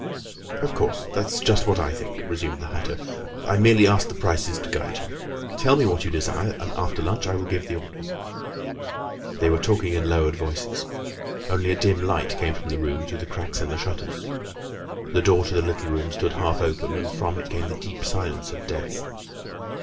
"Of course, that's just what I think," resumed the hatter. "I merely asked the prices to guide you. Tell me what you desire; and after lunch I will give the orders." They were talking in lowered voices. Only a dim light came into the room through the cracks in the shutters. The door to the little room stood half open, and from it came the deep silence of death.